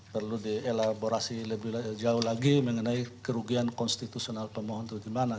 perlu dielaborasi lebih jauh lagi mengenai kerugian konstitusional pemohon itu gimana